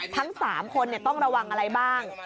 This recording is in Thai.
ทั้ง๓คนต้องระวังอะไรบ้าง